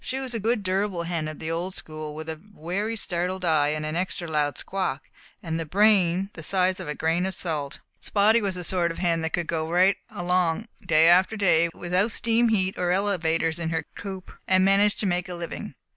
She was a good, durable hen of the old school, with a wary, startled eye, an extra loud squawk, and a brain the size of a grain of salt. Spotty was the sort of hen that could go right along day after day without steam heat or elevators in her coop and manage to make a living.